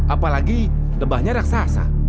apalagi lebahnya raksasa